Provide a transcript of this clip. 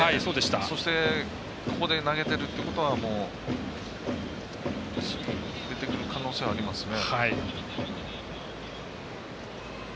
そしてここで投げてるってことはもう、次出てくる可能性がありますね。